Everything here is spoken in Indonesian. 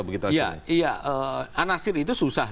begitu saja iya iya anasir itu susah